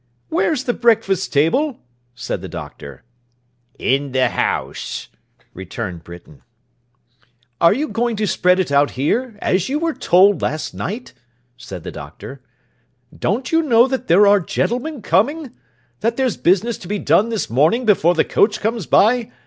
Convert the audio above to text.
'Where's the breakfast table?' said the Doctor. 'In the house,' returned Britain. 'Are you going to spread it out here, as you were told last night?' said the Doctor. 'Don't you know that there are gentlemen coming? That there's business to be done this morning, before the coach comes by?